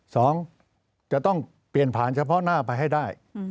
สองจะต้องเปลี่ยนผ่านเฉพาะหน้าไปให้ได้